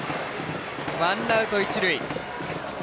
ワンアウト、一塁。